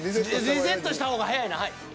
リセットした方が早いなはい。